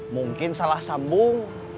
mungkin salah sambung